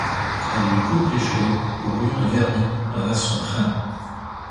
Elle lui coupe les cheveux, grouillant de vermine, rase son crâne.